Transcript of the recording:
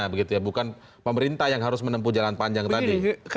bukan pemerintah yang harus menempuh jalan panjang tadi